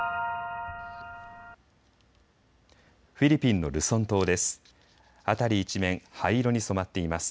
フィリピンのルソン島です。